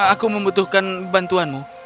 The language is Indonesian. aku membutuhkan bantuanmu